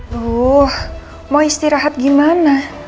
loh mau istirahat gimana